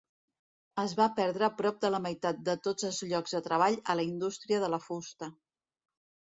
Es va perdre prop de la meitat de tots els llocs de treball a la indústria de la fusta.